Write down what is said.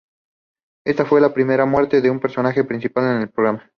Esta fue la primera muerte de un personaje principal en el programa.